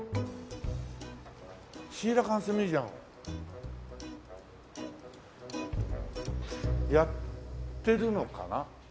「シーラカンス・ミュージアム」やってるのかな？